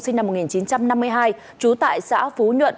sinh năm một nghìn chín trăm năm mươi hai trú tại xã phú nhuận